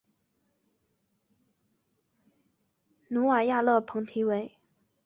努瓦亚勒蓬提维。